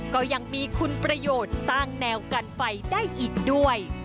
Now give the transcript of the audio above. ก็ยังมีคุณประโยชน์สร้างแนวกันไฟได้อีกด้วย